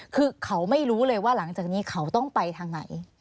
คือเขาไม่รู้เลยว่าหลังจากนี้เขาต้องไปทางไหน